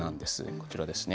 こちらですね。